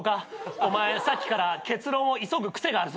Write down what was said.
お前さっきから結論を急ぐ癖があるぞ。